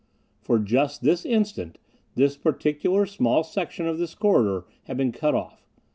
For just this instant, this particular small section of this corridor had been cut off.